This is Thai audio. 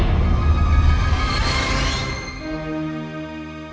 ความรู้สึกคุณตอนนี้เหมือนกับยังขวัญเสียอยู่